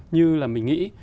như là mình nghĩ